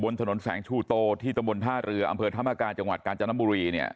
ถนนแสงชูโตที่ตำบลท่าเรืออำเภอธรรมกาจังหวัดกาญจนบุรีเนี่ย